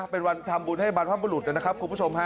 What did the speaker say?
เป็นวันทำบุญให้บรรพบุรุษนะครับคุณผู้ชมฮะ